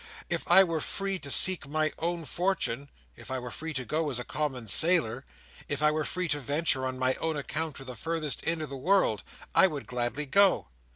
If I were free to seek my own fortune—if I were free to go as a common sailor—if I were free to venture on my own account to the farthest end of the world—I would gladly go!